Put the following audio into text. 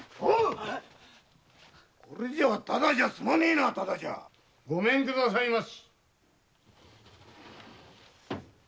これじゃタダじゃ済まねぇなタダじゃなごめんくださいまし。